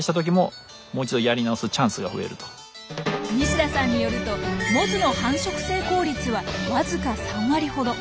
西田さんによるとモズの繁殖成功率はわずか３割ほど。